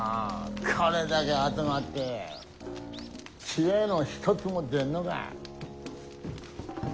これだけ集まって知恵の一つも出んのか。